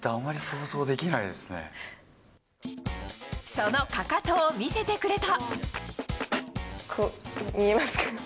その、かかとを見せてくれた。